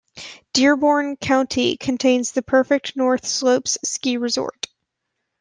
Dearborn County contains the Perfect North Slopes ski resort.